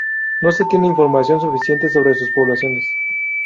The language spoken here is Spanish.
No se tiene la información suficiente sobre sus poblaciones.